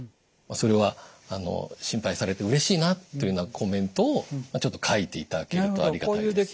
それは「心配されてうれしいな」というようなコメントをちょっと書いていただけるとありがたいです。